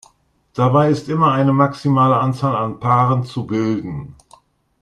Dabei ist immer eine maximale Anzahl an Paaren zu bilden.